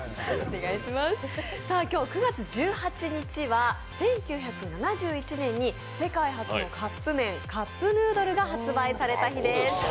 今日９月１８日は１９７１年に世界初のカップめんカップヌードルが発売された日です